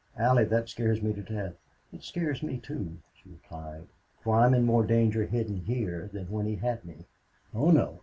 Allie, that scares me to death." "It scares me, too," she replied. "For I'm in more danger hidden here than when he had me." "Oh no!